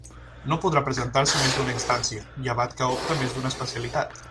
No podrà presentar-se més d'una instància, llevat que opte a més d'una especialitat.